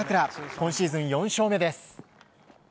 今シーズン４勝目です。